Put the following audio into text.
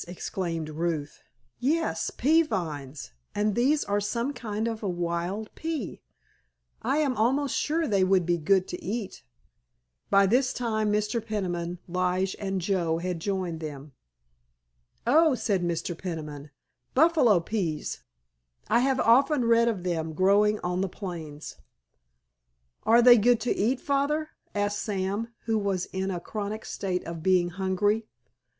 exclaimed Ruth. "Yes, pea vines! and these are some kind of a wild pea. I am almost sure they would be good to eat." By this time Mr. Peniman, Lige and Joe had joined them. "Oh," said Mr. Peniman, "buffalo peas! I have often read of them growing on the plains." "Are they good to eat, Father?" asked Sam, who was in a chronic state of being hungry.